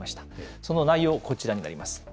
その内容、こちらになります。